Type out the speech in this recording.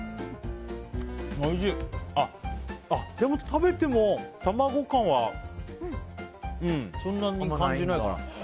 食べても卵感はそんなに感じないかな。